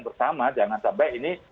bersama jangan sampai ini